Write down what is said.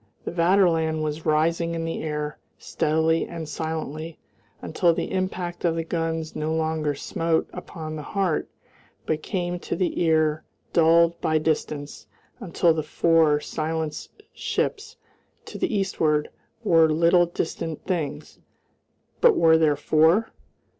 The Vaterland was rising in the air, steadily and silently, until the impact of the guns no longer smote upon the heart but came to the ear dulled by distance, until the four silenced ships to the eastward were little distant things: but were there four?